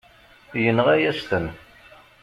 Yenɣa-yas-ten.